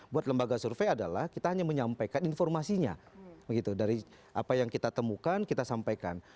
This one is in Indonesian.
buat lembaga survei adalah kita hanya menyampaikan informasinya dari apa yang kita temukan kita sampaikan